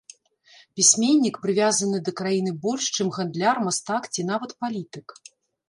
Пісьменнік прывязаны да краіны больш, чым гандляр, мастак ці нават палітык.